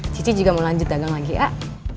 cici juga mau lanjut dagang lagi ya